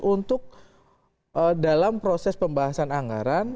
untuk dalam proses pembahasan anggaran